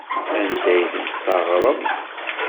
Anda ay tent-tesseɣreḍ?